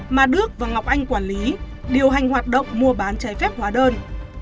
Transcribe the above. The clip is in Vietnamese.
mà đức và ngọc anh quản lý điều hành hoạt động mua bán trái phép hóa đơn